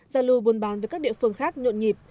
giao lưu buôn bán với các địa phương khác nhộn nhịp